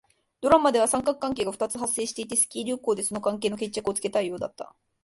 ドラマでは三角関係が二つ発生していて、スキー旅行でその関係の決着をつけたいようだった。